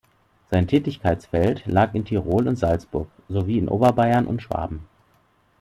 Sein Tätigkeitsfeld lag in Tirol und Salzburg sowie in Oberbayern und Schwaben.